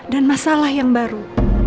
dan masalah yang baru